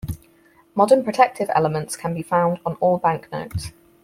Modern protective elements can be found on all banknotes.